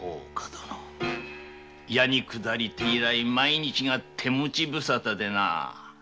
野に下りて以来毎日が手持ち無沙汰でな。